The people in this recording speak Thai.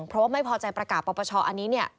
เพราะว่าไม่พอใจประกาศปปชอันนี้เนี่ย